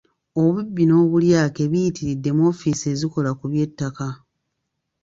Obubbi n’obulyake biyitiridde mu ofiisi ezikola ku by’ettaka.